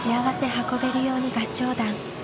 運べるように合唱団」。